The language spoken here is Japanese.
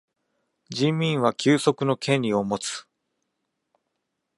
人民は休息の権利をもつ。